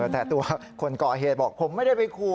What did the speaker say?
แต่ตัวคนก่อเหตุบอกผมไม่ได้ไปขู่